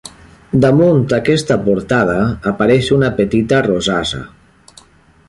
Damunt aquesta portada apareix una petita rosassa.